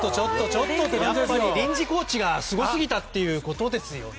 やっぱり臨時コーチがすごすぎたってことですよね。